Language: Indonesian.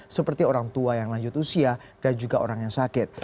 seperti orang tua yang lanjut usia dan juga orang yang sakit